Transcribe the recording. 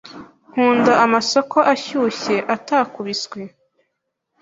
Nkunda amasoko ashyushye atakubiswe.